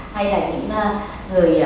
hay là những người